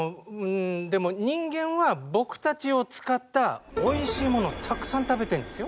でも人間は僕たちを使ったおいしいものをたくさん食べてるんですよ。